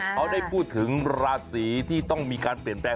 เขาได้พูดถึงราศีที่ต้องมีการเปลี่ยนแปลง